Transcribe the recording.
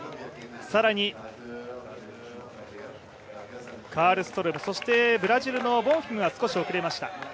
更にカルストロームブラジルのボンフィムが少し遅れました。